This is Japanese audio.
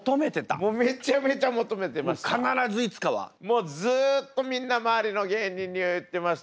もうずっとみんな周りの芸人に言ってました。